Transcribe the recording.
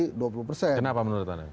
kenapa menurut anda